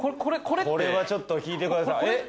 これはちょっと聞いてください。